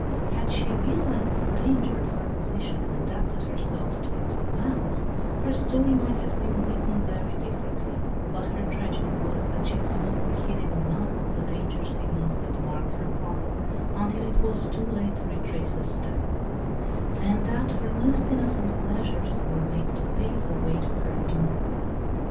Had she realised the danger of her position, and adapted herself to its demands, her story might have been written very differently; but her tragedy was that she saw or heeded none of the danger signals that marked her path until it was too late to retrace a step; and that her most innocent pleasures were made to pave the way to her doom.